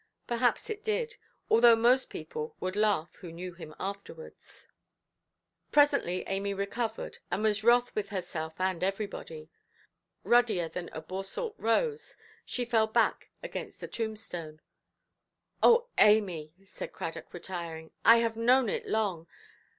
Perhaps it did; although most people would laugh who knew him afterwards. Presently Amy recovered, and was wroth with herself and everybody. Ruddier than a Boursalt rose, she fell back against the tombstone. "Oh, Amy", said Cradock, retiring; "I have known it long.